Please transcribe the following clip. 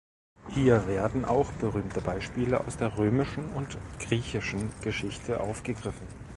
Hier werden auch berühmte Beispiele aus der römischen und griechischen Geschichte aufgegriffen.